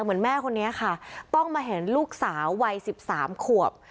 เหมือนแม่คนนี้ค่ะต้องมาเห็นลูกสาววัย๑๓ขวบ